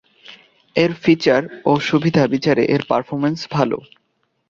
এর ফিচার ও সুবিধা বিচারে এর পারফরম্যান্স ভালো।